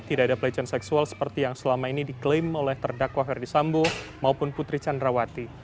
tidak ada pelecehan seksual seperti yang selama ini diklaim oleh terdakwa ferdisambo maupun putri candrawati